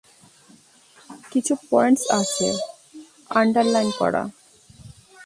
কিছু পয়েন্টস আছে আন্ডারলাইন করা।